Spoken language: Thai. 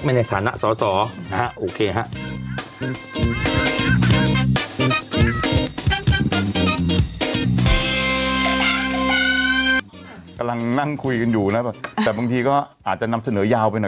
กำลังนั่งคุยกันอยู่นะแต่บางทีก็อาจจะนำเสนอยาวไปหน่อย